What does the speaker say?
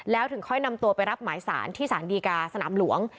แล้วถึงค่อยนำตัวไปรับหมายสารที่สารดีกาสนามหลวง